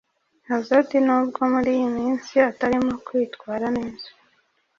Hazard nubwo muri iyi minsi atarimo kwitwara neza